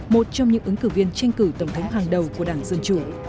một trong những ứng cử viên tranh cử tổng thống hàng đầu của đảng dân chủ